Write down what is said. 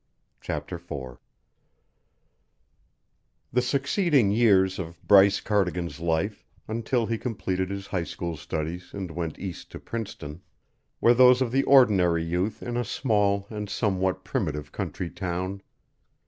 CHAPTER IV The succeeding years of Bryce Cardigan's life, until he completed his high school studies and went East to Princeton, were those of the ordinary youth in a small and somewhat primitive country town.